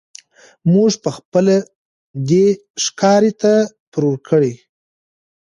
موږ پخپله دی ښکاري ته پر ورکړی